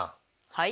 はい？